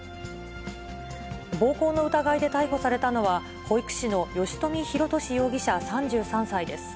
暴行の疑いで逮捕されたのは、保育士の吉冨弘敏容疑者３３歳です。